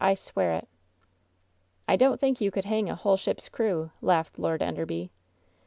I swear it!'' "I don't think you could hang a whole ship's crew," laughed Lord Enderby.